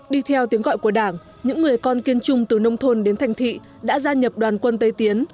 đi theo tiếng gọi của đảng những người con kiên trung từ nông thôn đến thành thị đã gia nhập đoàn quân tây tiến